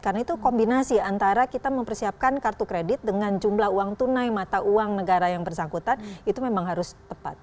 karena itu kombinasi antara kita mempersiapkan kartu kredit dengan jumlah uang tunai mata uang negara yang bersangkutan itu memang harus tepat